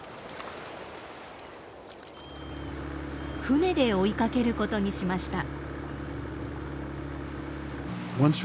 船で追いかけることにしました。